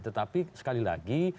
tetapi sekali lagi